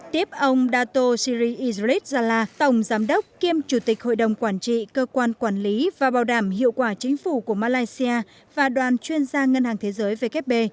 tiếp ông dato siri izritzala tổng giám đốc kiêm chủ tịch hội đồng quản trị cơ quan quản lý và bảo đảm hiệu quả chính phủ của malaysia và đoàn chuyên gia ngân hàng thế giới vkp